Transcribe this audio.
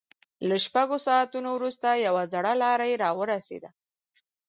له شپږو ساعتونو وروسته يوه زړه لارۍ را ورسېده.